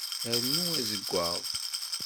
Rnu azeggaɣ.